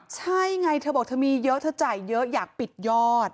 ใช่ไงเธอบอกเธอมีเยอะเธอจ่ายเยอะอยากปิดยอด